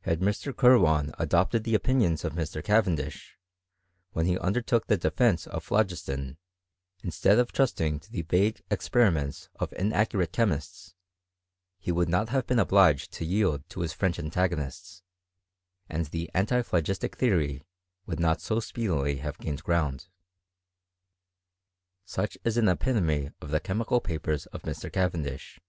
Had Mr. Kirwan adopted the opt* nionsofMr. Cavendish, when he undertook the defence of phlogiston, instead of trusting to the vague expe riments of inaccurate chemists, he would not have been obliged to yield to his French antagonists, and i the antiphlogistic theory would not so speedily have gained ground. Such is an epitome of the chemical papers of Mr. Cavendish.